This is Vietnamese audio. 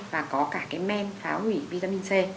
và có cả cái men phá hủy vitamin c